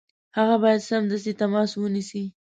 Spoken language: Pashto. هغه باید سمدستي تماس ونیسي.